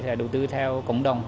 thì đầu tư theo cộng đồng